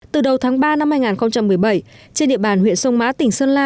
từ đầu tháng ba năm hai nghìn một mươi bảy trên địa bàn huyện sông mã tỉnh sơn la